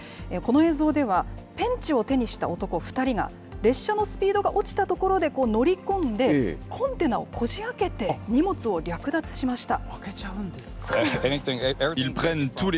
この映像では、ペンチを手にした男２人が、列車のスピードが落ちたところで乗り込んで、コンテナをこじあけて、荷物を略奪しました。